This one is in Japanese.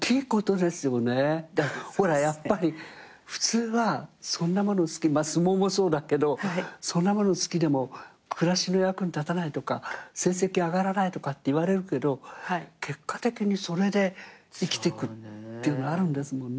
ほらやっぱり普通は相撲もそうだけど「そんなもの好きでも暮らしの役に立たない」とか「成績上がらない」とかって言われるけど結果的にそれで生きてくっていうのあるんですもんね。